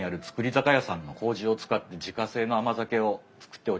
酒屋さんのこうじを使って自家製の甘酒をつくっておりまして。